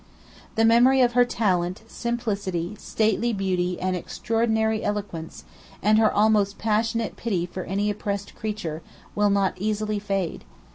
The memory of her talent, simplicity, stately beauty, and extraordinary eloquence, and her almost passionate pity for any oppressed creature, will not easily fade.